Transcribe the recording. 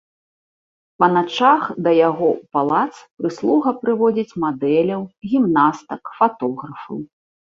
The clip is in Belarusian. Па начах да яго ў палац прыслуга прыводзіць мадэляў, гімнастак, фатографаў.